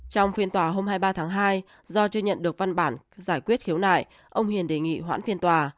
trong phiên tòa hôm hai mươi ba tháng hai do chưa nhận được văn bản giải quyết khiếu nại ông hiền đề nghị hoãn phiên tòa